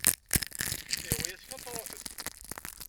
Ihwa-yas kan truḥ-d.